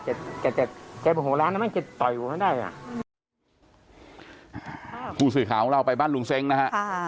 เจ็บเจ็บเจ็บเจ็บหัวแล้วมันจะต่อยกว่าได้อ่ะผู้สื่อข่าวเราไปบ้านลุงเซ้งนะฮะ